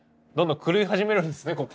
どんどん狂い始めるんですね